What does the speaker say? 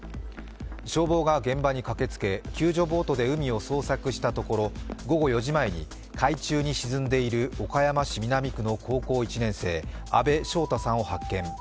消防が現場に駆けつけ救助ボートで海を捜索したところ、午後４時前に海中に沈んでいる岡山市南区の高校１年生阿部祥太さんを発見。